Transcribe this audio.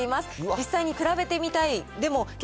実際に比べてみたい。